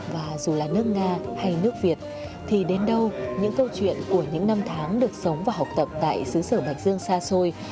và dù là nước nga hay nước việt thì đến đâu những câu chuyện của những năm tháng được sống và học tập tại xứ sở bạch dương xa xôi